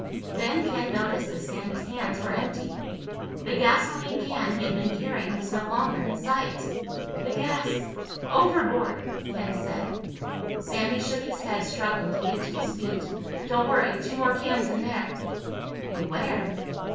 Then Ken noticed that Sandy's hands were empty. The gasoline can he had been carrying was no longer in sight. "The gas—overboard!" Ken said. Sandy shook his head, struggling to get to his feet. "Don't worry. Two more cans in there." "In where?"